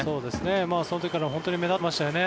その時から本当に目立っていましたよね。